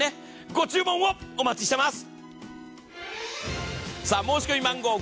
ご注文をお待ちしています！